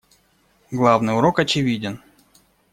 Главный урок очевиден.